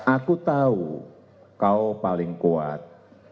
aku tahu kau paling kuat